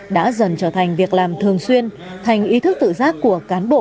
đã dần trở thành việc làm thường xuyên thành ý thức tự giác của cán bộ